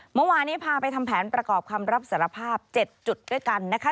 เมื่อวานนี้พาไปทำแผนประกอบคำรับสารภาพ๗จุดด้วยกันนะคะ